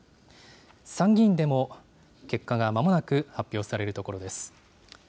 参議院でも結果がまもなく発表されるところです。